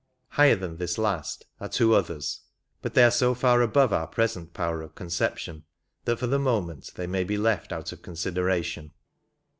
Higher than this last are two others, but they are so far above our present power of conception that for the moment they may be left out of consideration.